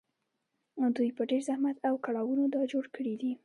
دوی په ډېر زحمت او کړاوونو دا جوړ کړي دي